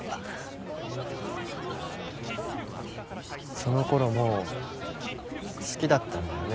そのころもう好きだったんだよね